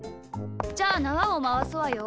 じゃあなわをまわすわよ。